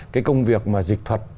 cái công việc mà dịch thuật